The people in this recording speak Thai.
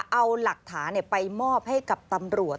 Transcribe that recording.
เอาหลักฐานไปมอบให้กับตำรวจ